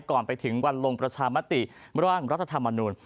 ก่อนไปถึงวันลงประชามติร่างรัฐธรรมนูล